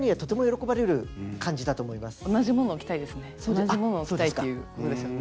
同じ物を着たいっていうことですよね。